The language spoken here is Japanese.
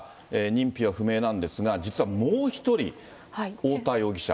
認否は不明なんですが、実はもう一人、太田容疑者。